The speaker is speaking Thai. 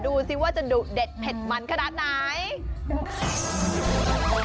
ดูสิว่าจะดุเด็ดเผ็ดมันขนาดไหน